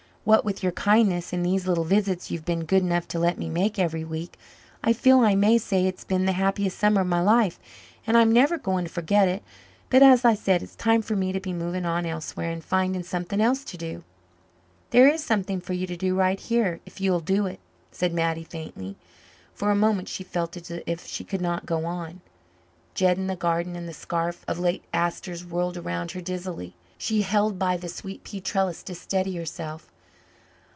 What with your kindness and these little visits you've been good enough to let me make every week, I feel I may say it's been the happiest summer of my life, and I'm never going to forget it, but as I said, it's time for me to be moving on elsewhere and finding something else to do." "There is something for you to do right here if you will do it," said Mattie faintly. For a moment she felt as if she could not go on; Jed and the garden and the scarf of late asters whirled around her dizzily. She held by the sweet pea trellis to steady herself.